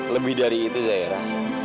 lebih dari itu zaira